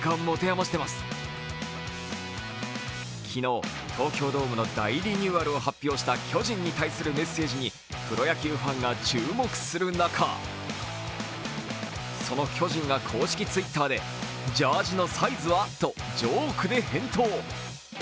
昨日、東京ドームの大リニューアルを発表した巨人に対するメッセージにプロ野球ファンが注目する中、その巨人が公式Ｔｗｉｔｔｅｒでジャージのサイズは？とジョークで返答。